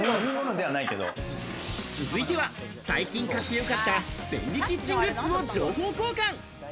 続いては、最近買ってよかった便利キッチングッズを情報交換。